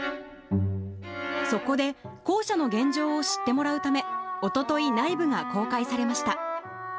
そこで、公舎の現状を知ってもらうため、おととい、内部が公開されました。